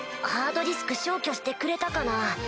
ハードディスク消去してくれたかな？